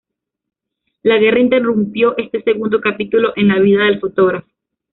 La guerra interrumpió este segundo capítulo en la vida del fotógrafo.